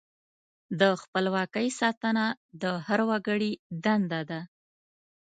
د خپلواکۍ ساتنه د هر وګړي دنده ده.